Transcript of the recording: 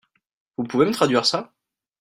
Vous pouvez me traduire ça ?